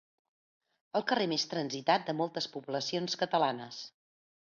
El carrer més transitat de moltes poblacions catalanes.